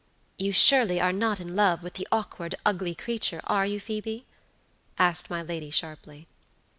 "You surely are not in love with the awkward, ugly creature are you, Phoebe?" asked my lady sharply.